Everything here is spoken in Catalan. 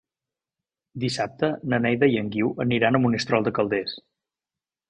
Dissabte na Neida i en Guiu aniran a Monistrol de Calders.